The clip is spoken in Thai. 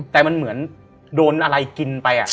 แต่มันเหมือนโดนอะไรกินไป